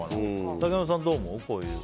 竹山さんはどう思う？